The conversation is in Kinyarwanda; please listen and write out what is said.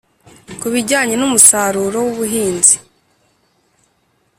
ku bijyanye n'umusaruro w'ubuhinzi,